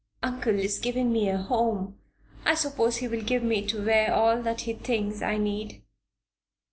"Uncle is giving me a home; I suppose he will give me to wear all that he thinks I need.